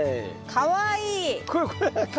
かわいい？